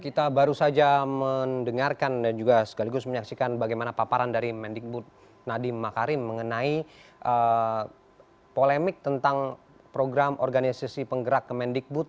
kita baru saja mendengarkan dan juga sekaligus menyaksikan bagaimana paparan dari mendikbud nadiem makarim mengenai polemik tentang program organisasi penggerak kemendikbud